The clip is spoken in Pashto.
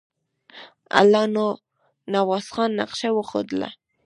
الله نواز خان نقشه وښودله.